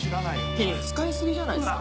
使い過ぎじゃないっすか。